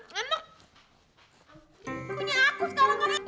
punya aku sekarang